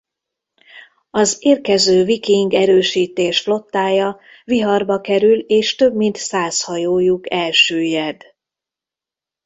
Az érkező viking erősítés flottája viharba kerül és több mint száz hajójuk elsüllyed.